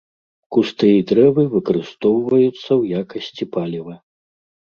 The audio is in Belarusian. Кусты і дрэвы выкарыстоўваюцца ў якасці паліва.